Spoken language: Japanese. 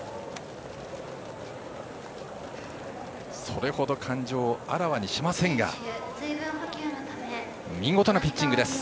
それほど感情をあらわにしませんが見事なピッチングです。